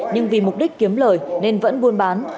nhưng vì mục đích kiếm lời nên vẫn buôn bán